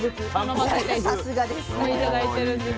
さすがです。